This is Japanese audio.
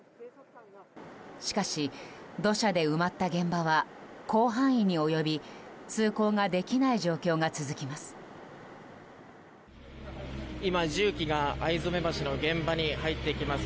しかし、土砂で埋まった現場は広範囲に及び通行ができない状況が続きます。